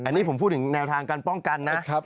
อันนี้ผมพูดถึงแนวทางการป้องกันนะ